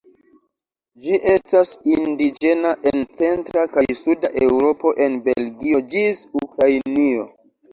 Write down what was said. Ĝi estas indiĝena en centra kaj suda Eŭropo el Belgio ĝis Ukrainio.